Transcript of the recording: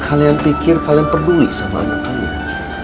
kalian pikir kalian peduli sama anak kalian